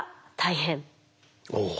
おお。